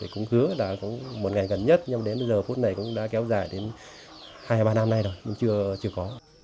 cũng hứa là cũng một ngày gần nhất nhưng đến bây giờ phút này cũng đã kéo dài đến hai ba năm nay rồi nhưng chưa có